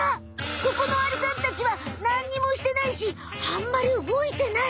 ここのアリさんたちはなんにもしてないしあんまり動いてない！